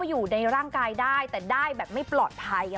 อยู่ในร่างกายได้แต่ได้แบบไม่ปลอดภัย